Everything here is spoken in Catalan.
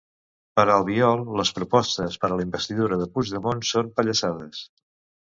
Per a Albiol, les propostes per a la investidura de Puigdemont són "pallassades"